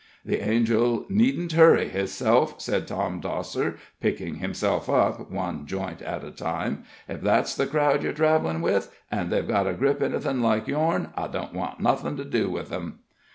'" "The angel needn't hurry hisself," said Tom Dosser, picking himself up, one joint at a time. "Ef that's the crowd yer travelin' with, and they've got a grip anything like yourn, I don't want nothin' to do with 'em."